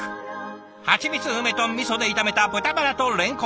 はちみつ梅とみそで炒めた豚バラと蓮根。